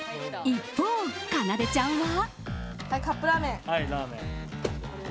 一方、かなでちゃんは。